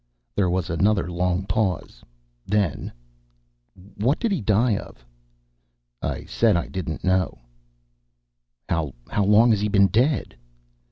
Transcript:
There was another long pause; then, "What did he die of?" I said I didn't know. "How long has he ben dead?"